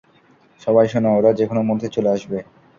সবাই শোনো, ওরা যেকোনো মুহূর্তে চলে আসবে।